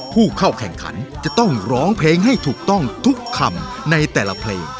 ผู้เข้าแข่งขันจะต้องร้องเพลงให้ถูกต้องทุกคำในแต่ละเพลง